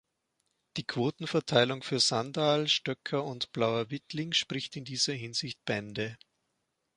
Die Quotenverteilung für Sandaal, Stöcker und Blauer Wittling spricht in dieser Hinsicht Bände.